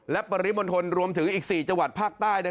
และปริบนทลรวมถึงอีกสี่จวัตรภาคใต้